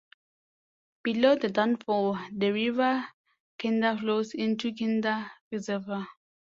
Below the Downfall the River Kinder flows into Kinder Reservoir.